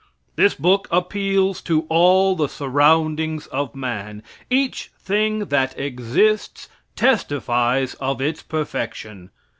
This book appeals to all the surroundings of man. Each thing that exists testifies of its perfection.